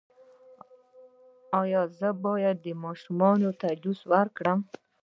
ایا زه باید ماشوم ته جوس ورکړم؟